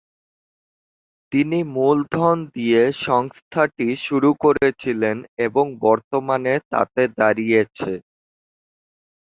তিনি মূলধন দিয়ে সংস্থাটি শুরু করেছিলেন এবং বর্তমানে তা তে দাঁড়িয়েছে।